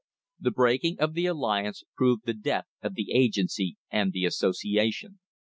The breaking of the alliance proved the death of the agency and the association.